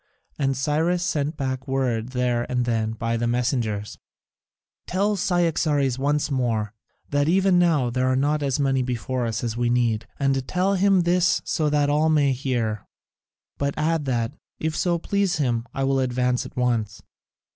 And Cyrus sent back word there and then by the messengers: "Tell Cyaxares once more, that even now there are not as many before us as we need. And tell him this so that all may hear. But add that, if it so please him, I will advance at once."